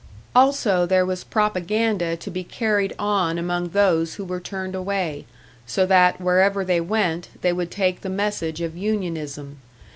Also there was propaganda to be carried on among those who were turned away; so that, wherever they went, they would take the message of unionism.